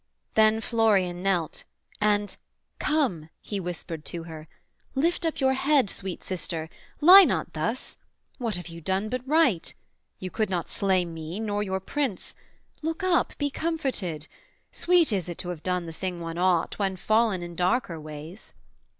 Then Florian knelt, and 'Come' he whispered to her, 'Lift up your head, sweet sister: lie not thus. What have you done but right? you could not slay Me, nor your prince: look up: be comforted: Sweet is it to have done the thing one ought, When fallen in darker ways.'